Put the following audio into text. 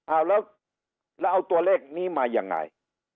เอาแล้วเอาตัวเลขนี้มายังไง